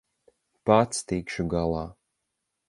Pats tikšu galā.